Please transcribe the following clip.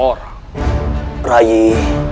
obat untuk menyebabkan seseorang